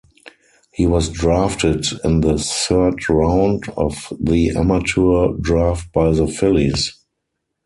He was drafted in the third round of the amateur draft by the Phillies.